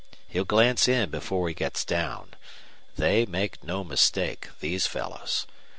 He'll glance in before he gets down. They make no mistakes, these fellows.